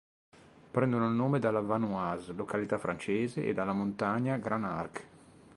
Prendono il nome dalla Vanoise, località francese e dalla montagna Grand Arc.